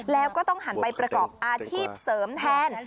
แล้วก็ต้องหันไปประกอบอาชีพเสริมแทน